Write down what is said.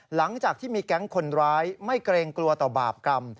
หลังจากที่มีแก๊งคนร้ายไม่เกรงกลัวต่อบาปกรรม